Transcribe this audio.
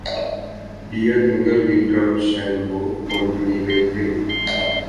Dia tinggal di Drumshanbo, Company Leitrim.